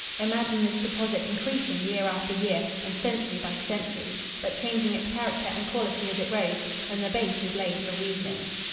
Imagine this deposit increasing year after year and century by century, but changing its character and quality as it rose, and the base is laid for reasoning.